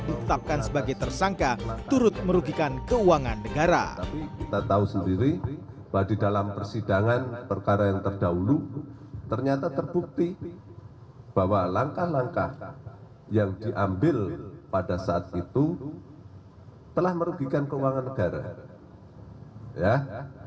ditetapkan sebagai tersangka turut merugikan kewajiban dan keuntungan pemeriksaan erlangga yang telah diperiksa oleh